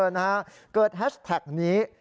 นะฮะเกิดแฮชแท็กนี้